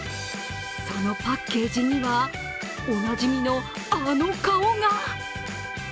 そのパッケージにはおなじみのあの顔が。